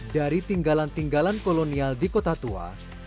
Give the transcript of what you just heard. dari tinggalan tinggalan kolonial di kota tua